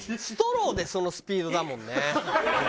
ストローでそのスピードだもんね。